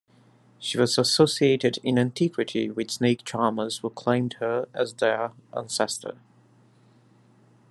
She was associated in antiquity with snake-charmers who claimed her as their ancestor.